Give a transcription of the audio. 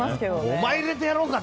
お前、入れてやろうか！